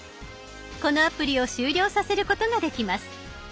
このアプリを終了させることができます。